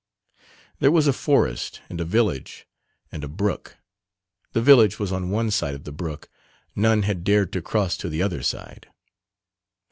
There was a forest and a village and a brook, the village was on one side of the brook, none had dared to cross to the other side.